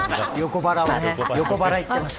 横腹、いってました。